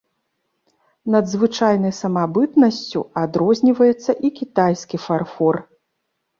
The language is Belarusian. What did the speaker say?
Надзвычайнай самабытнасцю адрозніваецца і кітайскі фарфор.